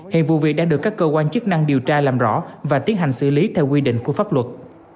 hiện vụ việc đang được các cơ quan chức năng điều tra làm rõ và tiến hành xử lý theo quy định của pháp luật